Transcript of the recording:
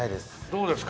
どうですか？